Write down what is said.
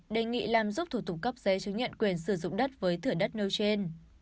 đề nghị làm giúp thủ tục cấp giấy chứng nhận quyền sử dụng đất với thửa đất nêu trên